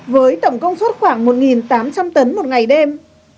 với tổng công suất khoảng một tám trăm linh tấn một ngày đêm